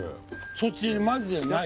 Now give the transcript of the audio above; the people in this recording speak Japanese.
そっちにマジでない？